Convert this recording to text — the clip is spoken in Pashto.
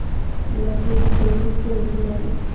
لرګی د خیمو ستنې جوړوي.